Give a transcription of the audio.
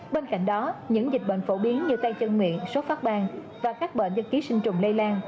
bên cạnh đó những dịch bệnh phổ biến như tay chân miệng sốt phát bang và các bệnh do ký sinh trùng lây lan